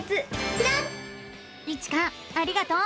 きらん☆イチカありがとう。